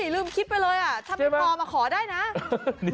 ลืมคิดไปเลยถ้าไม่พอมาขอได้นะ